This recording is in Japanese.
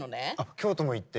京都も行って。